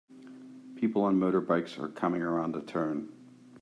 People on motorbikes are coming around a turn.